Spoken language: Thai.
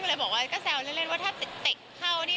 ก็เลยบอกว่าก็แซวเล่นว่าถ้าเตะเข้านี่